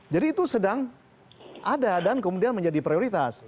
jadi itu sedang ada dan kemudian menjadi prioritas